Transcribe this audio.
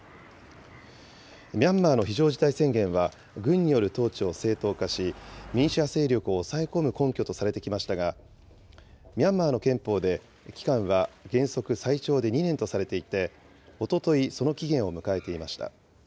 ミャンマーの非常事態宣言は、軍による統治を正当化し、民主派勢力を抑え込む根拠とされてきましたが、ミャンマーの憲法で期間は原則最長で２年とされていて、おととい、その期限を迎えていました。